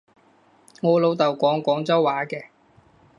我老豆講廣州話嘅